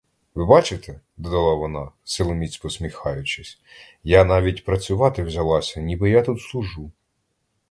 Ви бачите, — додала вона, силоміць посміхаючись, — я навіть працювати взялася, ніби я тут служу.